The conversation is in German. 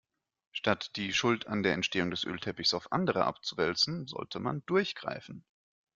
Statt die Schuld an der Entstehung des Ölteppichs auf andere abzuwälzen, sollte man durchgreifen.